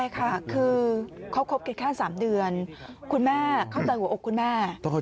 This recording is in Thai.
คือเขาครบเก็บแค่๓เดือนคุณแม่เข้าใจหัวอกคุณแม่